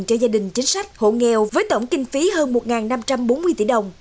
cho gia đình chính sách hộ nghèo với tổng kinh phí hơn một năm trăm bốn mươi tỷ đồng